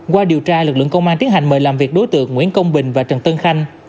qua điều tra lực lượng công an tiến hành mời làm việc đối tượng nguyễn công bình và trần tân khanh